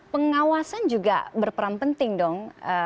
pengawasan juga berperan penting dong